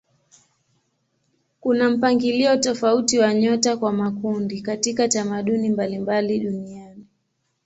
Kuna mpangilio tofauti wa nyota kwa makundi katika tamaduni mbalimbali duniani.